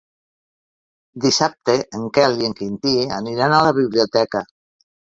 Dissabte en Quel i en Quintí aniran a la biblioteca.